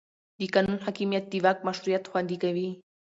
د قانون حاکمیت د واک مشروعیت خوندي کوي